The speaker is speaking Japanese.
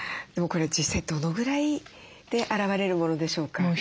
でもこれは実際どのぐらいで現れるものでしょうか？